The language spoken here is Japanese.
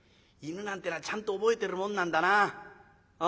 犬なんてのはちゃんと覚えてるもんなんだな。